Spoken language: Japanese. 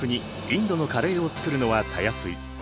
インドのカレーを作るのはたやすい。